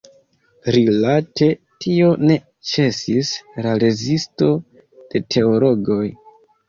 Rilate tion ne ĉesis la rezisto de teologoj.